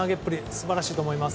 素晴らしいと思います。